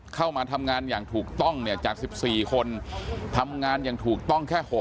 เข้ามาทำงานอย่างถูกต้องเนี่ยจาก๑๔คนทำงานอย่างถูกต้องแค่๖